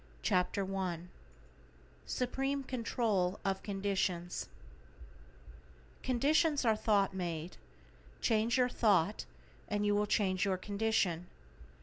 Lesson First SUPREME CONTROL OF CONDITIONS Conditions are thought made. Change your thought and you will change your condition.